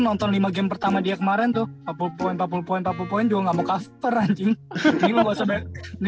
nonton lima game pertama dia kemarin tuh apa poin poin poin juga mau cover anjing ini